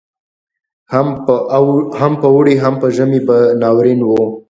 هم په اوړي هم په ژمي به ناورین وو